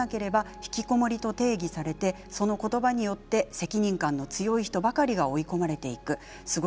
何とかをやり遂げなければひきこもりと定義されてその言葉によって責任感の強い人ばかりが追い込まれていく。